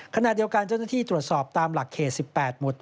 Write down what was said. ขณะเดียวกันจนดังที่ตรวจสอบตามหลักเคสิบแปดหมด